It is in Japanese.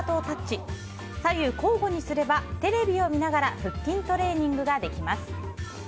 交互左右にすればテレビを見ながら腹筋トレーニングができます。